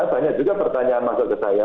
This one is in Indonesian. banyak juga pertanyaan masuk ke saya